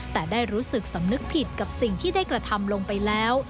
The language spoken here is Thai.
แต่ได้รู้สึกสำนึกผิดกับสิ่งที่ได้กระทำลงไปแล้ว